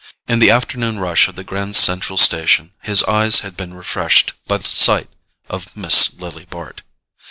In the afternoon rush of the Grand Central Station his eyes had been refreshed by the sight of Miss Lily Bart.